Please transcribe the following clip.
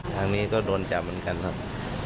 ทางนี้ก็โดนจับเหมือนกันครับ